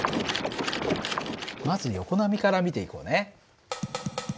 まず横波から見ていこうね。